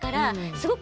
すごく。